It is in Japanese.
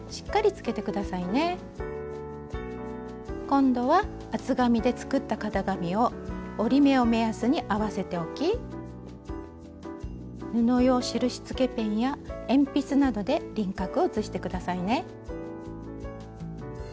今度は厚紙で作った型紙を折り目を目安に合わせて置き布用印つけペンや鉛筆などで輪郭を写して下さいね。